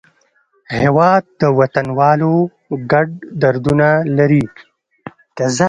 هېواد د وطنوالو ګډ دردونه لري.